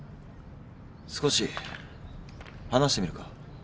少し話してみるか？